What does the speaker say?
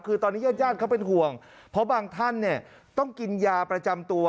คือตอนนี้ญาติญาติเขาเป็นห่วงเพราะบางท่านเนี่ยต้องกินยาประจำตัว